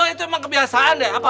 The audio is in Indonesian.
itu emang kebiasaan deh